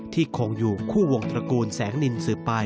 ที่คงอยู่คู่วงตระกูลแสงนินสืบไป